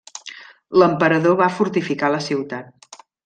L'emperador va fortificar la ciutat.